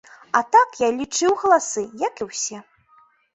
А так, я лічыў галасы, як і ўсе.